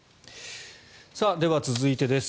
では、続いてです。